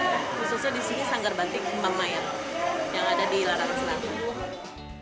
khususnya di sini sanggar batik kembang mayang yang ada di larang selangor